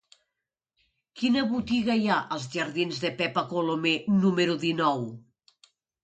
Quina botiga hi ha als jardins de Pepa Colomer número dinou?